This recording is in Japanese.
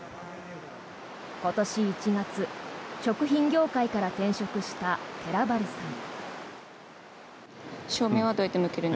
今年１月、食品業界から転職した寺原さん。